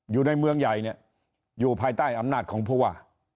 อยู่ในเมืองใหญ่เนี่ยอยู่ภายใต้อำนาจของผู้ว่า